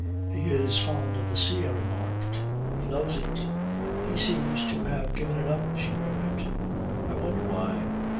"He is fond of the sea," I remarked. "He loves it." "He seems to have given it up," she murmured. "I wonder why?"